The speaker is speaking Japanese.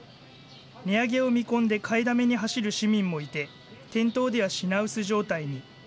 値上げを見込んで買いだめに走る市民もいて、店頭では品薄状態に。